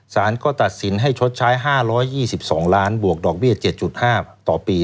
สารก็ตัดสินให้ชดใช้๕๒๒ล้านบวกดอกเบี้ย๗๕ต่อปี